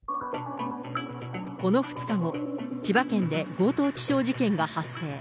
この２日後、千葉県で強盗致傷事件が発生。